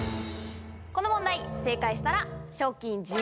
この問題正解したら。